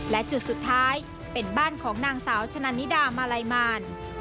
และจุดสุดท้ายเป็นบ้านของนางสาวชะนันนิดามาลัยมาร